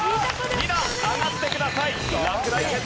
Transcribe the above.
２段上がってください。